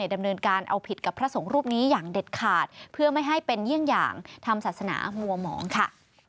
ดำเนินการเอาผิดกับพระสงฆ์รูปนี้อย่างเด็ดขาดเพื่อไม่ให้เป็นเยี่ยงอย่างทำศาสนามัวหมองค่ะ